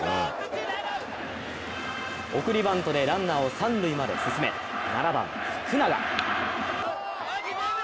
送りバントでランナーを三塁まで進め、７番・福永。